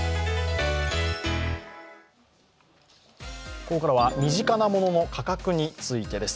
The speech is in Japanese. ここからは身近なものの価格についてです。